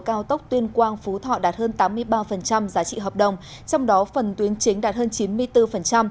cao tốc tuyên quang phú thọ đạt hơn tám mươi ba giá trị hợp đồng trong đó phần tuyến chính đạt hơn chín mươi bốn